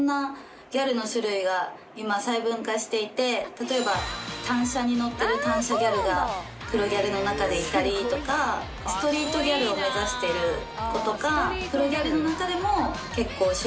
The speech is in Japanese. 例えば単車に乗ってる単車ギャルが黒ギャルの中でいたりとかストリートギャルを目指してる子とか。